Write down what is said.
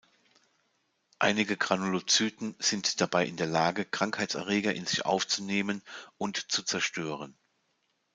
Einige Granulozyten sind dabei in der Lage, Krankheitserreger in sich aufzunehmen und zu zerstören.